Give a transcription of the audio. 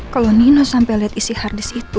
kalau nino sampai lihat isi hadis itu